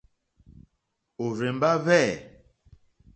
Òrzèmbá hwɛ̂.